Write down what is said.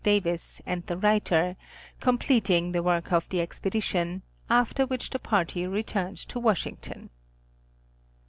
Davis and the writer, completing the work of the expedition, after which the party returned to Washington.